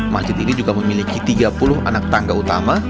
masjid ini juga memiliki tiga puluh anak tangga utama